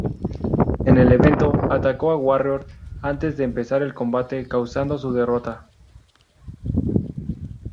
En el evento, atacó a Warrior antes de empezar el combate, causando su derrota.